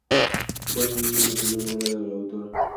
Fue, asimismo, la primera novela de la autora.